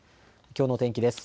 きょうの天気です。